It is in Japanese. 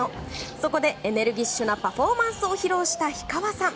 そこで、エネルギッシュなパフォーマンスを披露した氷川さん。